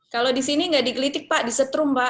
kalau di sini nggak digelitik pak disetrum pak